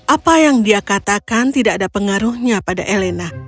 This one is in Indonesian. apa yang dia katakan tidak ada pengaruhnya pada elena